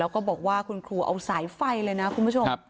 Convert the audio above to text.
แล้วก็บอกว่าคุณครูเอาสายไฟเลยนะคุณผู้ชม